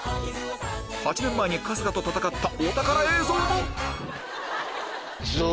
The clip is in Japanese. ８年前に春日と戦ったお宝映像も！